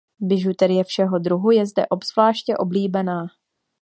Bižuterie všeho druhu je zde obzvláště oblíbená.